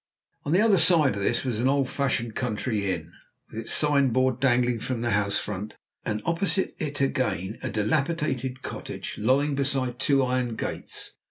On the other side of this was an old fashioned country inn, with its signboard dangling from the house front, and opposite it again a dilapidated cottage lolling beside two iron gates.